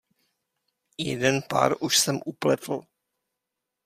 Jeden pár už jsem upletl.